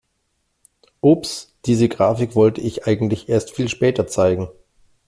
Ups, diese Grafik wollte ich eigentlich erst viel später zeigen.